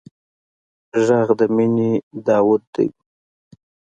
غږ د مینې داوود دی